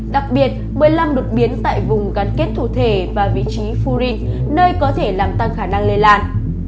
đặc biệt một mươi năm đột biến tại vùng gắn kết thủ thể và vị trí furin nơi có thể làm tăng khả năng lây lan